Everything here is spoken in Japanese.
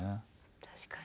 確かに。